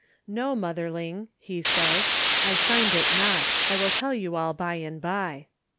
"No, motherling," he says, "I signed it not; I will tell you all by and by."